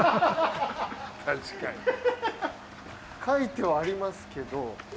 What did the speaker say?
書いてはありますけど。